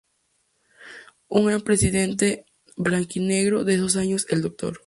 Un gran presidente "Blanquinegro" de esos años, el Dr.